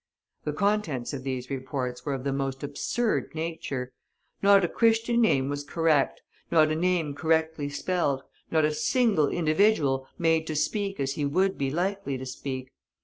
The contents of these reports were of the most absurd nature; not a Christian name was correct, not a name correctly spelt, not a single individual made to speak as he would be likely to speak.